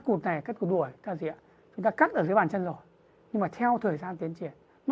cụt này cắt cụt đùi ta dịa chúng ta cắt ở dưới bàn chân rồi nhưng mà theo thời gian tiến triển nó